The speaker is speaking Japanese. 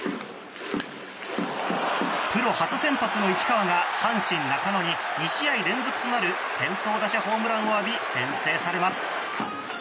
プロ初先発の市川が阪神、中野に２試合連続となる先頭打者ホームランを浴び先制されます。